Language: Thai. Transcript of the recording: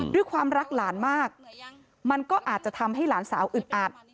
ด้วยความรักหลานมากมันก็อาจจะทำให้หลานสาวอึดอัด